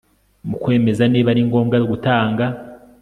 mu kwemeza niba ari ngombwa gutanga